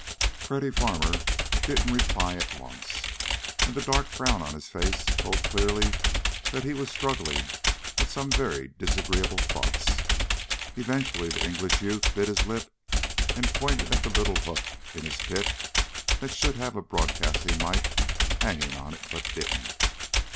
Freddy Farmer didn't reply at once, and the dark frown on his face told clearly that he was struggling with some very disagreeable thoughts. Eventually the English youth bit his lip and pointed at the little hook in his pit that should have a broadcasting mike hanging on it, but didn't.